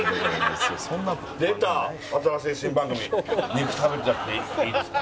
『肉、食べちゃってイイですか？』。